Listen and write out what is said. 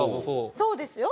そうですよ。